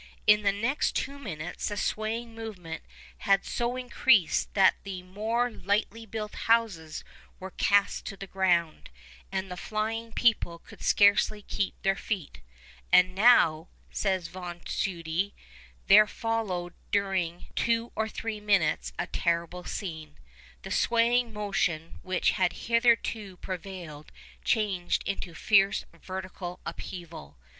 In the next two minutes the swaying movement had so increased that the more lightly built houses were cast to the ground, and the flying people could scarcely keep their feet. 'And now,' says Von Tschudi, 'there followed during two or three minutes a terrible scene. The swaying motion which had hitherto prevailed changed into fierce vertical upheaval.